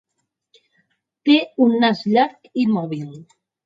Té un nas llarg i mòbil.